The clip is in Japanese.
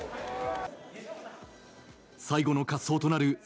最後の滑走となる